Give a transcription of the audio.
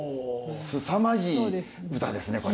すさまじい唄ですねこれ。